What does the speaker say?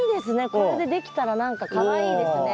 これでできたら何かかわいいですね。